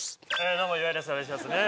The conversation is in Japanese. どうも岩井ですお願いしますね